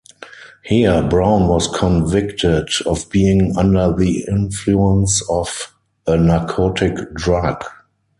Here, "Brown was convicted of being 'under the influence of" a narcotic drug.